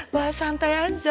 bahas santai aja